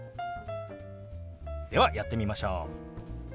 ではやってみましょう！